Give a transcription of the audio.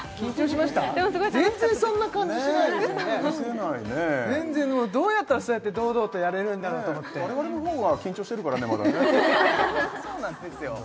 見せないね全然どうやったらそうやって堂々とやれるんだろうと思って我々の方が緊張してるからねまだねそうなんですよ